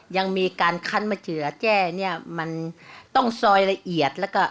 ยังมีการคันแบบเจ๋วแจ้ต้องซอยละเอียด